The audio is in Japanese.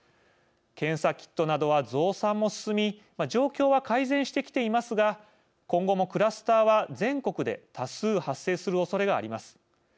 検査キットなどは、増産も進み状況は改善してきていますが今後もクラスターは全国で多数発生するおそれがあります。